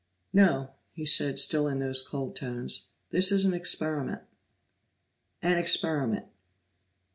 "No," he said, still in those cold tones. "This is an experiment." "An experiment!"